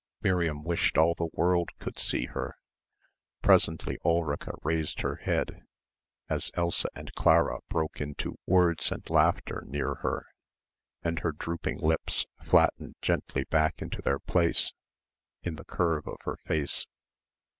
Miriam wished all the world could see her.... Presently Ulrica raised her head, as Elsa and Clara broke into words and laughter near her, and her drooping lips flattened gently back into their place in the curve of her face.